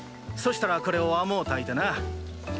そしたらこれを甘うたいてな。